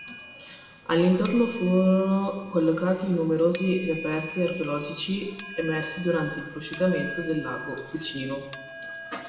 All'interno furono collocati i numerosi reperti archeologici emersi durante il prosciugamento del lago Fucino.